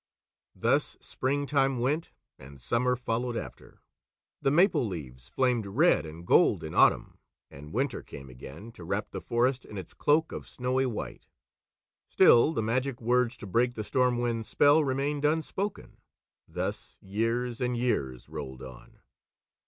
Thus springtime went, and summer followed after; the maple leaves flamed red and gold in autumn, and winter came again to wrap the forest in its cloak of snowy white. Still the magic words to break the Storm Wind's spell remained unspoken. Thus years and years rolled on.